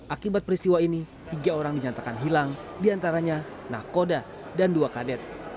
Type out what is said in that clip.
akibat peristiwa ini tiga orang dinyatakan hilang diantaranya nakoda dan dua kadet